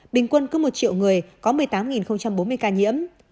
bình quân cứ một triệu người có một mươi tám bốn mươi ca nhiễm